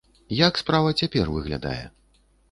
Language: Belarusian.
Як справа цяпер выглядае?